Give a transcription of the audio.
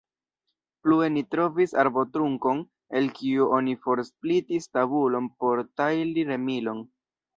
Plue ni trovis arbotrunkon, el kiu oni forsplitis tabulon por tajli remilon.